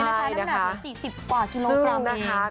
ด้านหลักกว่า๔๐กว่ากิโลกรัมเอง